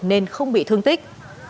nên không bị thương tích